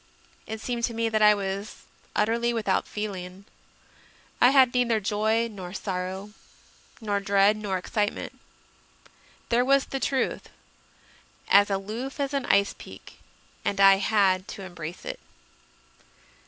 It seemed to me that I was utterly without feeling; I had neither joy nor sorrow, nor dread nor excite ment. There was the Truth, as aloof as an ice peak, and I had to embrace it.